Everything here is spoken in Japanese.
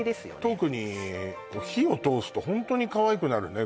特に火を通すとホントにかわいくなるね